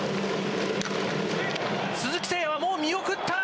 鈴木誠也はもう見送った。